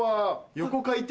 横回転！